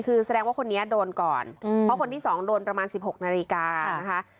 คือแสดงว่าคนนี้โดนก่อนเพราะคนที่๒โดนประมาณ๑๖นาฬิกานะคะ